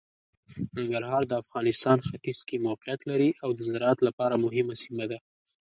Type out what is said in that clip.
ننګرهار د افغانستان ختیځ کې موقعیت لري او د زراعت لپاره مهمه سیمه ده.